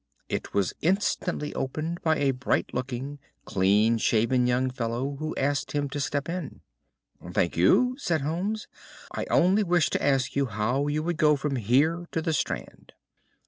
It was instantly opened by a bright looking, clean shaven young fellow, who asked him to step in. "Thank you," said Holmes, "I only wished to ask you how you would go from here to the Strand."